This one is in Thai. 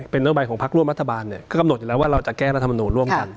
เป็นนโยบายของพักร่วมรัฐบาลเนี่ยก็กำหนดอยู่แล้วว่าเราจะแก้รัฐมนูลร่วมกัน